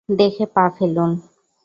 দেখে পা ফেলুন।